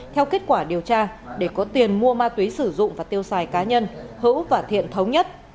theo kết quả điều tra để có tiền mua ma túy sử dụng và tiêu xài cá nhân hữu và thiện thống nhất